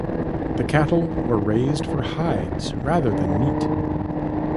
The cattle were raised for hides rather than meat.